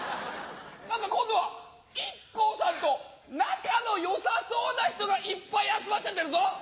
何か今度はＩＫＫＯさんと仲の良さそうな人がいっぱい集まっちゃってるぞ！